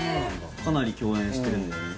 かなり共演してるんだよね